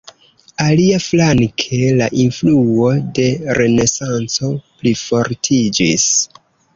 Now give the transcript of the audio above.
Aliaflanke la influo de renesanco plifortiĝis.